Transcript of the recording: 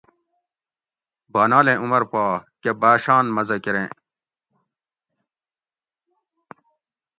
بانالیں عمر پا کہ باۤشان مزہ کریں